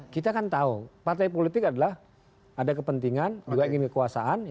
kita kan tahu partai politik adalah ada kepentingan juga ingin kekuasaan